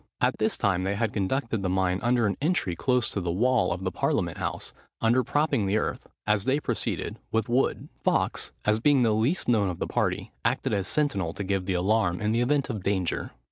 At this time they had conducted the mine under an entry close to the wall of the parliament house, under propping the earth, as they proceeded, with wood. Fawkes, as being the least known of the party, acted as sentinel to give the alarm in the event of danger.